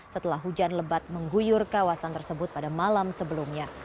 setelah hujan lebat mengguyur kawasan tersebut pada malam sebelumnya